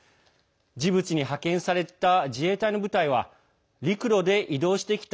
ジブチに派遣された自衛隊の部隊は陸路で移動してきた